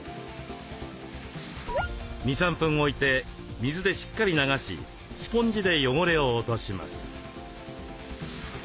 ２３分置いて水でしっかり流しスポンジで汚れを落とします。